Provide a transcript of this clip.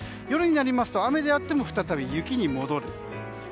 夜になると、雨であっても再び雪に戻る。